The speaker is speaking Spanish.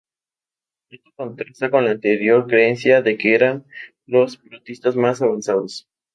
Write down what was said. Esto contrasta con la anterior creencia de que eran los protistas más avanzados.